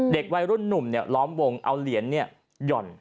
เด็กวัยรุ่นนุ่มเนี่ยร้อมวงเอาเหรียญเนี่ยหย่อน